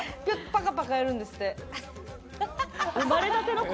パカパカやるんですって。